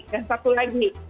dan satu lagi